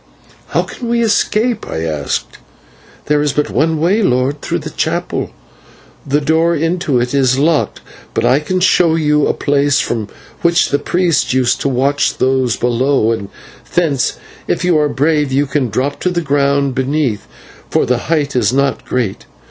"How can we escape?" I asked. "There is but one way, lord, through the chapel. The door into it is locked, but I can show you a place from which the priests used to watch those below, and thence, if you are brave, you can drop to the ground beneath, for the height is not great.